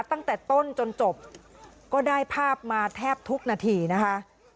ตั้งแต่ต้นจนจบก็ได้ภาพมาแทบทุกนาทีนะคะ